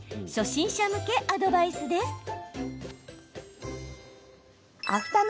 初心者向けアドバイスです。